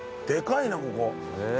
でかいなここ。